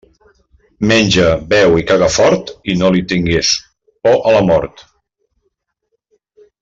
Menja, beu i caga fort, i no li tingues por a la mort.